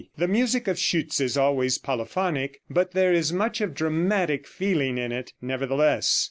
The music of Schütz is always polyphonic, but there is much of dramatic feeling in it, nevertheless.